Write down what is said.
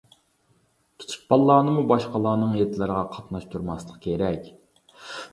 كىچىك بالىلارنىمۇ باشقىلارنىڭ ھېيتلىرىغا قاتناشتۇرماسلىق كېرەك.